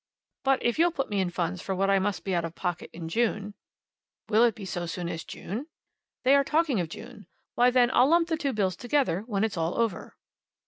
But if you'll put me in funds for what I must be out of pocket in June " "Will it be so soon as June?" "They are talking of June. Why, then, I'll lump the two bills together when it's all over."